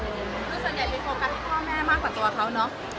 คือส่วนใหญ่ไปโฟกัสให้พ่อแม่มากกว่าตัวเขาเนอะ